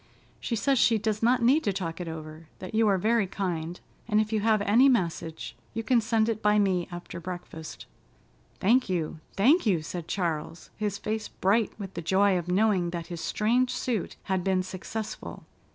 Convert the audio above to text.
She says she does not need to talk it over, that you are very kind, and if you have any message, you can send it by me after breakfast." "Thank you, thank you!" said Charles, his face bright with the joy of knowing that his strange suit had been successful.